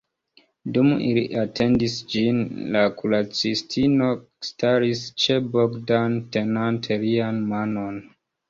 Dum ili atendis ĝin, la kuracistino staris ĉe Bogdan, tenante lian manon.